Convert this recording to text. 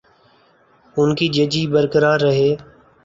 ان کی ججی برقرار ہے۔